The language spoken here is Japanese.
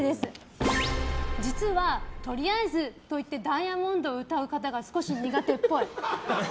実は「とりあえず」と言って「Ｄｉａｍｏｎｄ」を歌う方が少し苦手っぽい。